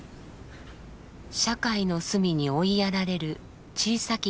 社会の隅に追いやられる小さき